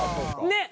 ねっ！